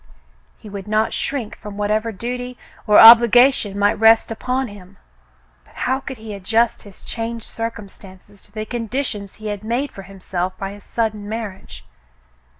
He would not shrink from whatever duty or obligation might rest upon him, but how could he adjust his changed circumstances to the conditions he had made for himself by his sudden marriage.